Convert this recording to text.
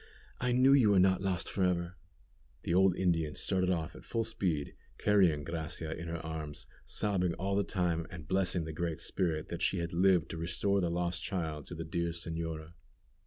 I knew you were not lost for ever." The old Indian started off at full speed, carrying Gracia in her arms, sobbing all the time, and blessing the Great Spirit that she had lived to restore the lost child to the dear señora.